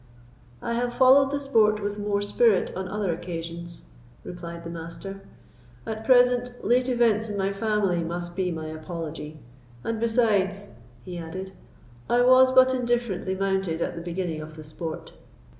"I have followed the sport with more spirit on other occasions," replied the Master; "at present, late events in my family must be my apology; and besides," he added, "I was but indifferently mounted at the beginning of the sport."